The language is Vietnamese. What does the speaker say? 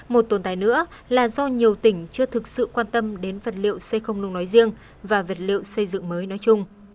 một tồn tại nữa là do nhiều tỉnh chưa thực sự quan tâm đến vật liệu xây không nung nói riêng và vật liệu xây dựng mới nói chung